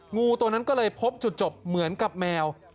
งูตัวนั้นก็เลยพบจุดจบเหมือนกับแมว